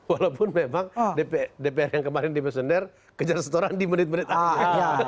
walaupun memang dpr yang kemarin di mesioner kejar setoran di menit menit aja